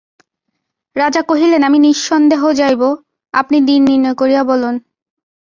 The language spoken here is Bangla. রাজা কহিলেন, আমি নিঃসন্দেহ যাইব, আপনি দিন নির্ণয় করিয়া বলুন।